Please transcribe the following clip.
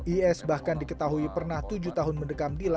is bahkan diketahui pernah tujuh tahun mendekam di lapas